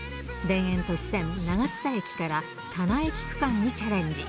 田園都市線長津田駅から田奈駅区間にチャレンジ。